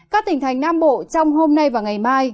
các tỉnh thành nam bộ trong hôm nay và ngày mai